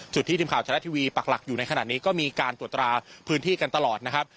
ที่ทีมข่าวชะละทีวีปักหลักอยู่ในขณะนี้ก็มีการตรวจตราพื้นที่กันตลอดนะครับ